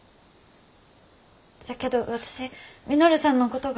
じゃけど私稔さんのことが。